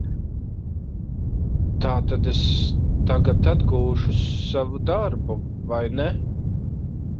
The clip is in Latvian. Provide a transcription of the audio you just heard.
Tātad es tagad atgūšu savu darbu, vai ne?